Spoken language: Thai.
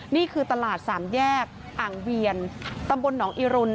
นี่คือตลาดสามแยกอ่างเวียนตำบลหนองอิรุณ